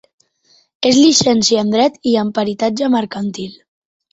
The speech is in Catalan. És llicenciada en dret i en peritatge mercantil.